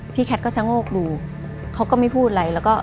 พี่แคทก็จะโง่กดูเขาก็ไม่พูดอะไร